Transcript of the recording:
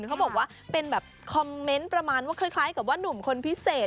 เขาบอกว่าเป็นแบบคอมเมนต์ประมาณว่าคล้ายกับว่านุ่มคนพิเศษ